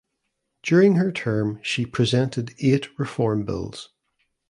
During her term she presented eight reform bills.